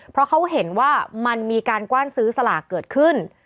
เพราะเขาเห็นว่ามันมีการกว้านซื้อสลากเกิดขึ้น